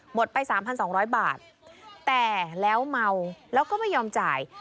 ไป๓๒๐๐บาทแต่แล้วเมาแล้วก็ไม่ยอมจ่าย